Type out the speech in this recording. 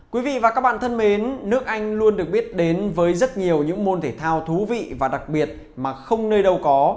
quý vị và các bạn thân mến nước anh luôn được biết đến với rất nhiều những môn thể thao thú vị và đặc biệt mà không nơi đâu có